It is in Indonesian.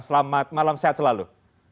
selamat malam sehat selalu